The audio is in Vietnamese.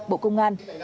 bộ công an